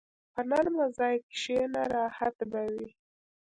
په نرمه ځای کښېنه، راحت به وي.